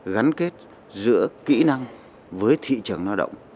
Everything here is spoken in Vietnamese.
gắn kết giữa kỹ năng với thị trường lao động